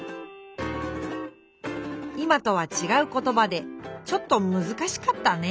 今とはちがう言ばでちょっとむずかしかったね。